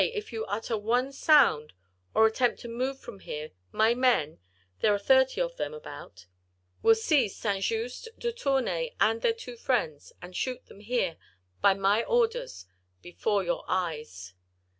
if you utter one sound, or attempt to move from here, my men—there are thirty of them about—will seize St. Just, de Tournay, and their two friends, and shoot them here—by my orders—before your eyes."